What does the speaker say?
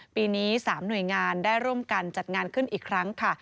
ปีนี้๓หน่วยงานได้ร่วมกันจัดงานขึ้นอีกครั้งค่ะ